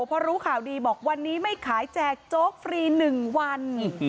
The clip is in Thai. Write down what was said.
พอรู้ข่าวดีบอกวันนี้ไม่ขายแจกโจ๊กฟรี๑วัน